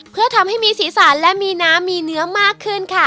เพื่อทำให้มีสีสันและมีน้ำมีเนื้อมากขึ้นค่ะ